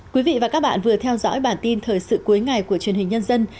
quý vị và các bạn vừa theo dõi bản tin thời sự cuối ngày của truyền hình nhân dân